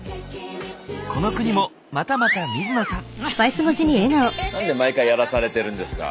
この国もまたまた水野さん。